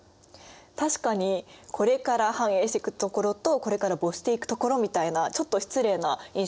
確かにこれから繁栄していく所とこれから没していく所みたいなちょっと失礼な印象も受けますね。